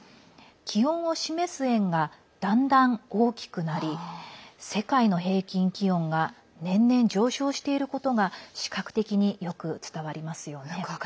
気温を示す円がだんだん大きくなり世界の平均気温が年々上昇していることが視覚的に、よく伝わります。